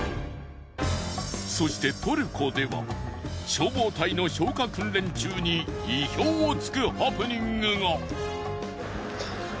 そしてトルコでは消防隊の消火訓練中に意表を突くハプニングが。